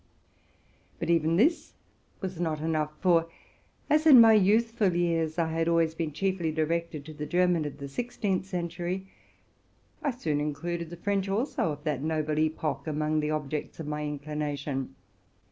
But even this was not enough; for as, in my youthful years, I had always been chiefly directed to the German of the sixteenth century, I soon included the French also of that noble epoch among the objects of my inclination.